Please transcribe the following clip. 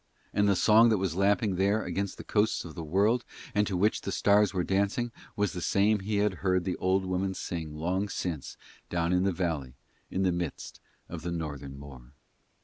And the song that was lapping there against the coasts of the World, and to which the stars were dancing, was the same that he had heard the old woman sing long since down in the valley in the midst of the Northern moor.